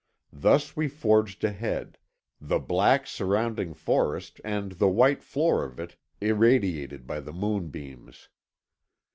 Thus we forged ahead, the black surrounding forest and the white floor of it irradiated by the moonbeams.